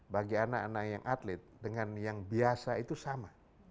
bagi anak anak yang atlet dengan yang biasa itu sama